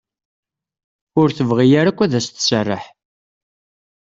Ur tebɣi ara akk ad as-tesserreḥ.